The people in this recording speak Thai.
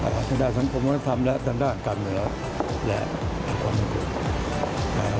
ด้านด้านสังคมธรรมและด้านด้านการเหนือและความลูกมือ